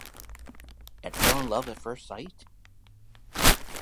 And fell in love at first sight?